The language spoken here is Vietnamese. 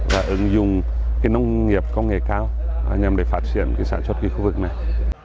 và ứng dụng nông nghiệp công nghệ cao nhằm để phát triển sản xuất khu vực này